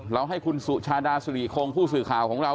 ให้คุณสุชาดาสุริคงผู้สื่อข่าวของเรา